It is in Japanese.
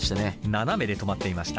斜めで止まっていました。